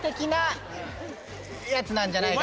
やつなんじゃないかな。